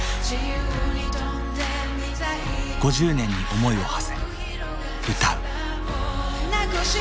５０年に思いをはせ歌う。